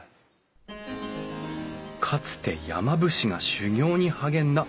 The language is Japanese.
かつて山伏が修行に励んだ妙義山。